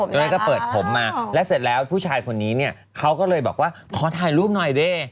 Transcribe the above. ตัวเองก็เปิดผมมาแล้วเสร็จแล้วผู้ชายคนนี้เนี่ยเขาก็เลยบอกว่าขอถ่ายรูปหน่อยดิ